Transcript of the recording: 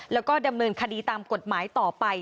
แล้วก็ดำเนินคดีตามกฎหมายต่อไป